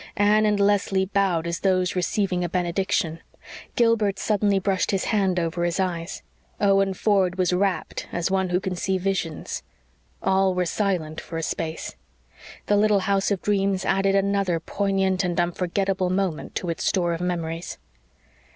Anne and Leslie bowed as those receiving a benediction. Gilbert suddenly brushed his hand over his eyes; Owen Ford was rapt as one who can see visions. All were silent for a space. The little house of dreams added another poignant and unforgettable moment to its store of memories.